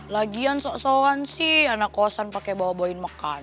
lagian sok soan sih anak kosan pakai bawain makan